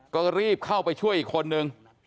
ก็รีบเข้าไปช่วยอีกคนนึง